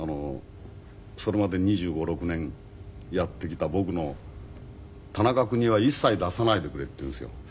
それまで２５２６年やってきた僕の「田中邦衛は一切出さないでくれ」って言うんですよ